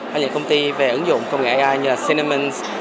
hay là công ty về ứng dụng công nghệ ai như là cinnamon